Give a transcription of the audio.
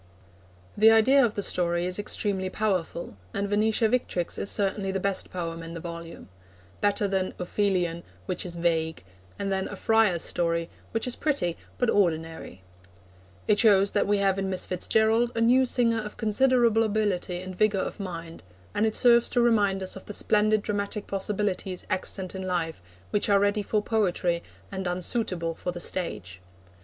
The idea of the story is extremely powerful, and Venetia Victrix is certainly the best poem in the volume better than Ophelion, which is vague, and than A Friar's Story, which is pretty but ordinary. It shows that we have in Miss Fitz Gerald a new singer of considerable ability and vigour of mind, and it serves to remind us of the splendid dramatic possibilities extant in life, which are ready for poetry, and unsuitable for the stage.